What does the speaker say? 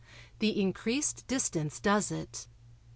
The increased distance does it.